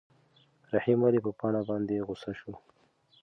رحیم ولې په پاڼه باندې غوسه شو؟